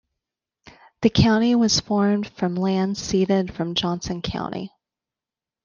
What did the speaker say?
The county was formed from land ceded from Johnson County.